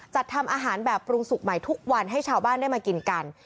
ทำอาหารแบบปรุงสุกใหม่ทุกวันให้ชาวบ้านได้มากินกัน